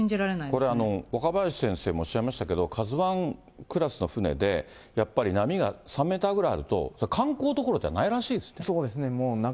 これ若林先生もおっしゃいましたけれども、カズワンクラスの船で、やっぱり波が３メートルぐらいあると観光どころじゃないみたいですね。